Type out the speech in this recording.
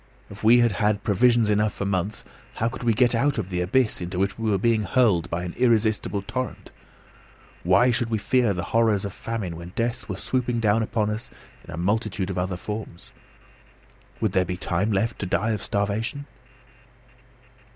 If we had had provisions enough for months, how could we get out of the abyss into which we were being hurled by an irresistible torrent? Why should we fear the horrors of famine, when death was swooping down upon us in a multitude of other forms? Would there be time left to die of starvation?